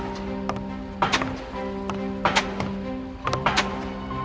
aku sudah selesai makan